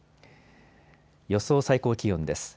予想最高気温です。